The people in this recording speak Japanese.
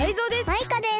マイカです。